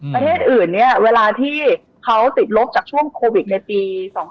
ประเทศอื่นเนี่ยเวลาที่เขาติดลบจากช่วงโควิดในปี๒๕๖